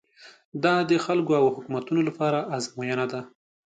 دا د خلکو او حکومتونو لپاره ازموینه ده.